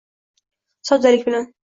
soddalik bilan.